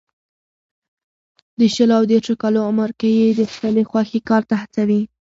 د شلو او دېرشو کالو عمر کې یې د خپلې خوښې کار ته هڅوي.